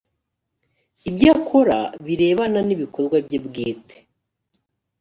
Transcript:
ibyo akora birebana n ibikorwa bye bwite